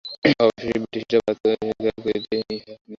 অবশেষে ব্রিটিশরা ভারত অধিকার করিলে ইহা নিষিদ্ধ হয়।